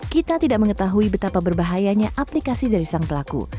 kita tidak mengetahui betapa berbahayanya aplikasi dari sang pelaku